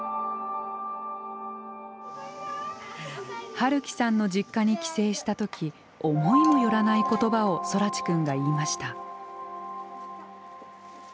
晴樹さんの実家に帰省した時思いも寄らない言葉を空知くんが言いました。